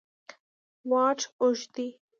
واټ اوږد دی.